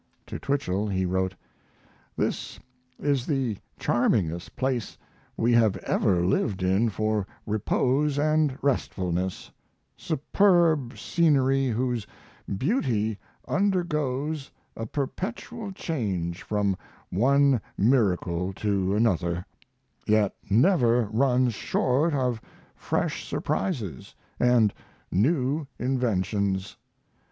To Twichell he wrote: This is the charmingest place we have ever lived in for repose and restfulness, superb scenery whose beauty undergoes a perpetual change from one miracle to another, yet never runs short of fresh surprises and new inventions.